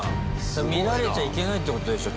見られちゃいけないってことでしょ